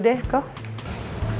ntar ya saya ganti baju dulu